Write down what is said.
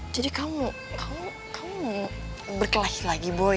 jadi kamu kamu kamu berkelahi lagi boy